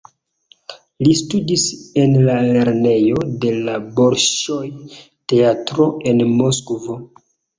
Li studis en la lernejo de la Bolŝoj-Teatro en Moskvo.